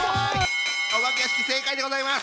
おばけ屋敷正解でございます！